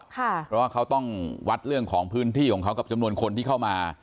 เพราะว่าเขาต้องวัดเรื่องของพื้นที่ของเขากับจำนวนคนที่เข้ามา